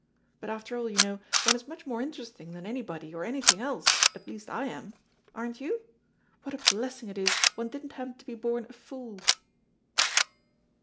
But, after all, you know, one is much more interesting than anybody or anything else, at least I am. Aren't you? What a blessing it is one didn't happen to be born a fool!"